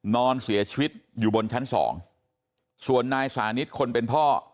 นอนเสียชีวิตอยู่บนชั้นสองส่วนนายสานิทคนเป็นพ่อ